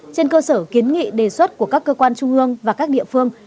trên cơ sở kiến nghị đề xuất của các cơ quan trung ương và các địa phương